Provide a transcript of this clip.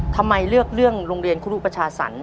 ทำไมเลือกเรื่องโรงเรียนครูประชาสรรค